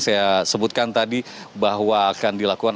tidak ada yang menanggung dengan kemungkinan bahwa ini akan dilakukan